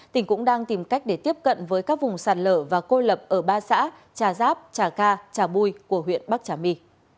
tỉnh cũng đang tìm cách để tiếp cận với các vùng sạt lở và cô lập ở ba xã trà giáp trà ca trà bui của huyện bắc trà my